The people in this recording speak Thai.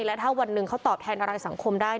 แล้วถ้าวันหนึ่งเขาตอบแทนอะไรสังคมได้